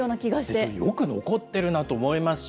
それよく残ってるなと思いますし。